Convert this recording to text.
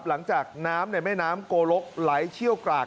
หลังจากน้ำในแม่น้ำโกลกไหลเชี่ยวกราด